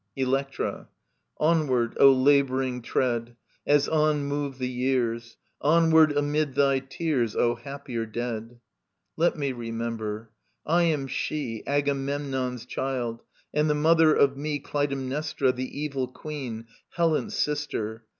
Elbctra. Onward, O labouring tread, As on move the years ; Onward anaid thy tears, O happier dead I Let me remember. I am she, [Strophe i. Agamemnon's child, and the mother of me Clytemnestra, the evil Queen, Helen's sister.